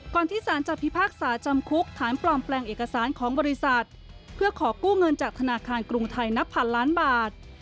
ที่สารจะพิพากษาจำคุกฐานปลอมแปลงเอกสารของบริษัทเพื่อขอกู้เงินจากธนาคารกรุงไทยนับพันล้านบาท